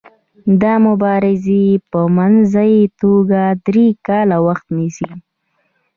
دا مبارزې په منځنۍ توګه درې کاله وخت نیسي.